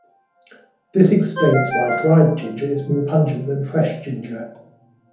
This explains why dried ginger is more pungent than fresh ginger.